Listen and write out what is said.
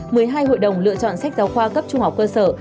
một mươi hai hội đồng lựa chọn sách giáo khoa cấp trung học cơ sở